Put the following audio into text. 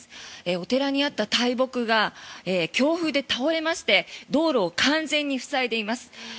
お寺にあった大木が強風で倒れまして道路を完全に塞いでいます。